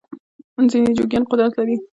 ځینې جوګیان قدرت لري چې چاته وګوري هغه مړ شي.